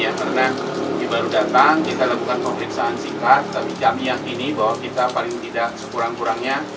karena dia baru datang kita lakukan pemeriksaan singkat tapi kami yakin bahwa kita paling tidak sekurang kurangnya